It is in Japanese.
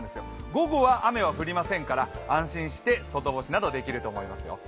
午後は雨は降りませんから安心して外干しできると思いますよ。